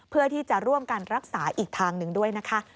เพื่อที่จะร่วมกันรักษาอีกทางหนึ่งด้วยนะคะ